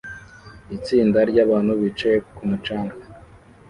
Itsinda ryabantu bicaye ku mucanga